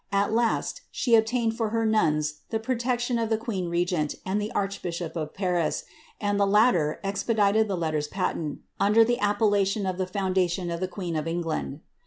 At last she obtained for her nuns the protection of the queen regent and the archbishop of Paris, and the latter expedited the letters patenl, under the appellation of the foundation of the queen of England.